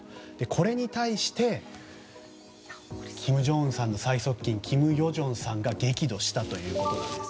これに対して金正恩さんの最側近金与正さんが激怒したということなんです。